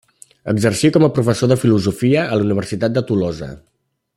Exercí com a professor de filosofia a la universitat de Tolosa.